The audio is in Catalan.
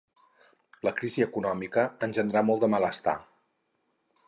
La crisi econòmica engendrà molt de malestar.